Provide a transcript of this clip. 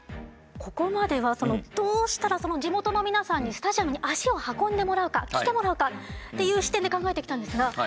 ここまではどうしたらその地元の皆さんにスタジアムに足を運んでもらうか来てもらうかっていう視点で考えてきたんですが。